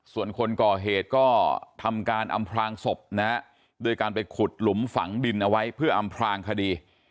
ส่วนคนก่อเหตุก็ทำการอำพลางศพนะฮะโดยการไปขุดหลุมฝังดินเอาไว้เพื่ออำพลางคดี